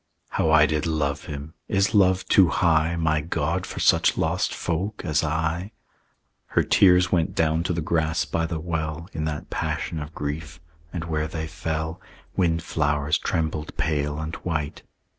"How I did love him! Is love too high, My God, for such lost folk as I?" Her tears went down to the grass by the well, In that passion of grief, and where they fell Windflowers trembled pale and white.